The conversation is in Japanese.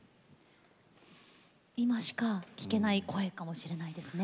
今しか聴けない声かもしれないですね